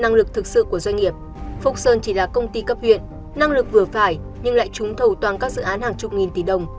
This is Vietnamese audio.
năng lực vừa phải nhưng lại trúng thầu toàn các dự án hàng chục nghìn tỷ đồng